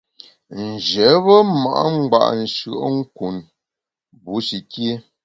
Njebe ma’ ngba’ nshùe’nkun bushi kié.